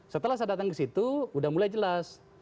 setelah saya datang ke situ udah mulai jelas